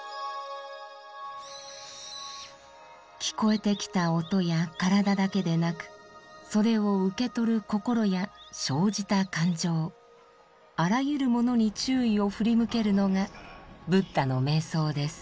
聞こえてきた音や身体だけでなくそれを受け取る心や生じた感情あらゆるものに注意を振り向けるのがブッダの瞑想です。